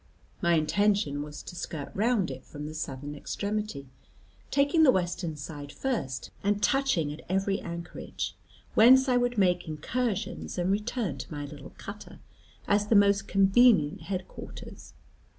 My intention was to skirt round it from the southern extremity, taking the western side first, and touching at every anchorage, whence I would make incursions, and return to my little cutter, as the most convenient head quarters.